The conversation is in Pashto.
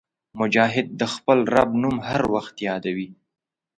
مجاهد د خپل رب نوم هر وخت یادوي.